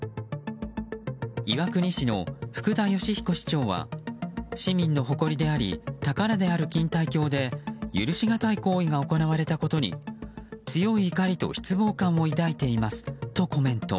岩国市の福田良彦市長は市民の誇りであり宝である錦帯橋で許しがたい行為が行われたことに強い怒りと失望感を抱いていますとコメント。